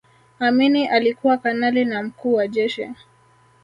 amini alikuwa kanali na mkuu wa jeshi